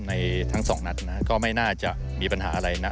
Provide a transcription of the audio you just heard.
ทั้งสองนัดนะก็ไม่น่าจะมีปัญหาอะไรนะ